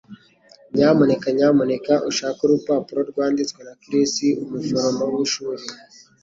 nyamuneka nyamuneka ushake urupapuro rwanditswe na Chris umuforomo wishuri.